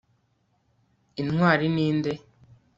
intwari ninde